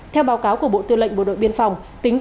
theo báo cáo của bộ tư lệnh bộ đội biên phòng